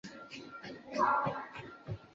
明岑贝尔格是德国黑森州的一个市镇。